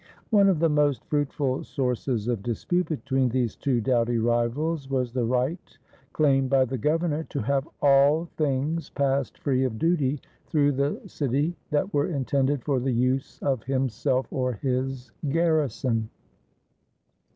One of the most fruitful sources of dispute between these two 467 SPAIN doughty rivals was the right claimed by the governor to have all things passed free of duty through the city that were intended for the use of himself or his garrison.